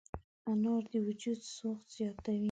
انار د وجود سوخت زیاتوي.